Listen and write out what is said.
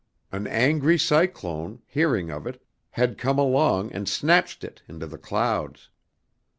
An angry cyclone, hearing of it, had come along and snatched it into the clouds.